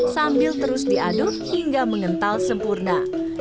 sambil terus diaduk hingga mengental sempurna